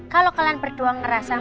kalau kalian berdua ngerasain